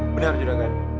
benar juga kan